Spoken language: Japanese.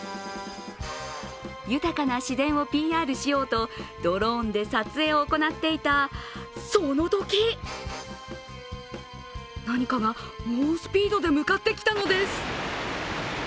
豊かな自然をＰＲしようと、ドローンで撮影を行っていた、そのとき何かが猛スピードで向かってきたのです。